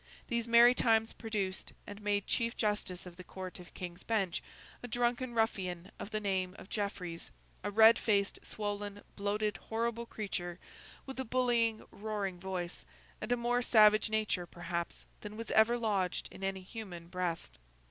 These merry times produced, and made Chief Justice of the Court of King's Bench, a drunken ruffian of the name of Jeffreys; a red faced, swollen, bloated, horrible creature, with a bullying, roaring voice, and a more savage nature perhaps than was ever lodged in any human breast.